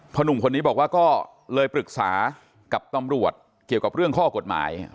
หนุ่มคนนี้บอกว่าก็เลยปรึกษากับตำรวจเกี่ยวกับเรื่องข้อกฎหมาย